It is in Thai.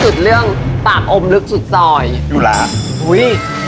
เขาบอกเลย